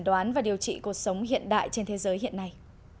đoán và điều trị cuộc sống hiện đại trên thế giới hiện nay